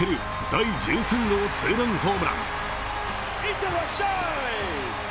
第１３号ツーランホームラン。